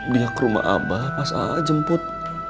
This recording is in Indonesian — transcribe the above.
dia ke rumah abah pas a jemput